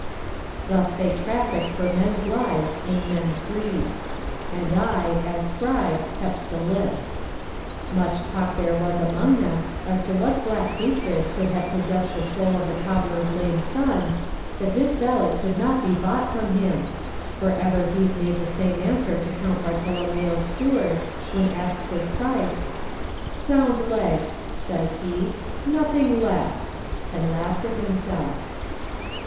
Thus they trafficked for men's lives in men's greed. And I, as scribe, kept the lists. Much talk there was among them as to what black hatred could have possessed the soul of the cobbler's lame son, that his ballot could not be bought from him, for ever he made the same answer to Count Bartolonmieo's steward, . when asked his price: "Sound legs," says he; "nothing less!" and laughs at himself.